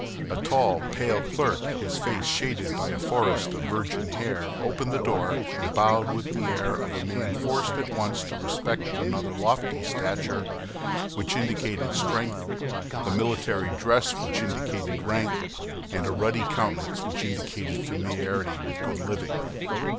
A tall, pale clerk, his face shaded by a forest of virgin hair, opened the door, and bowed with the air of a man forced at once to respect in another lofty stature, which indicated strength, the military dress, which indicated rank, and a ruddy countenance, which indicated familiarity with good living.